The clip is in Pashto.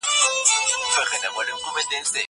زه کولای سم کښېناستل وکړم.